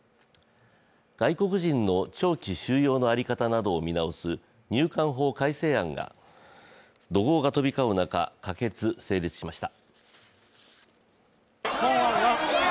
外国人の長期収容の在り方などを見直す入管法改正案が怒号が飛び交う中可決・成立しました。